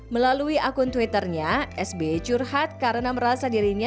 melalui akun twitternya sby curhat karena merasa dirinya